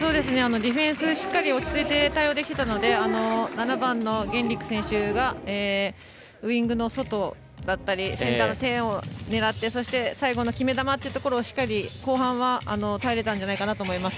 ディフェンスしっかり落ち着いて対応できてたので７番の選手がウイングの外だったりセンター線を狙って最後の決め球ってところをしっかり後半は耐えられたんじゃないかなと思います。